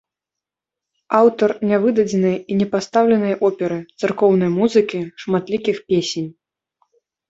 Аўтар нявыдадзенай і не пастаўленай оперы, царкоўнай музыкі, шматлікіх песень.